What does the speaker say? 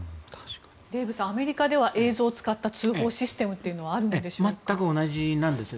デーブさん、アメリカでは映像を使った通報システムというのは全く同じなんです。